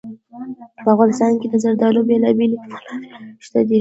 په افغانستان کې د زردالو بېلابېلې منابع شته دي.